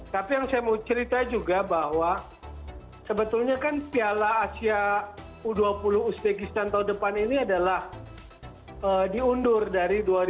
tapi yang saya mau cerita juga bahwa sebetulnya kan piala asia u dua puluh uzbekistan tahun depan ini adalah diundur dari dua ribu dua puluh